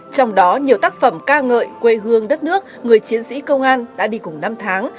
trong đó nhiều tác phẩm ca ngợi quê hương đất nước người chiến sĩ công an đã đi cùng năm tháng